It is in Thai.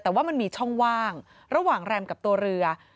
แต่ว่ามันมีช่องว่างระหว่างแรมกับตัวเรือ